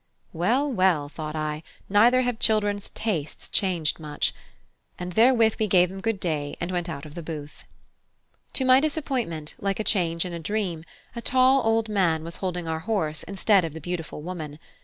Well, well, thought I, neither have children's tastes changed much. And therewith we gave them good day and went out of the booth. To my disappointment, like a change in a dream, a tall old man was holding our horse instead of the beautiful woman.